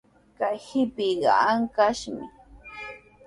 Kay qipiqa ankashmi.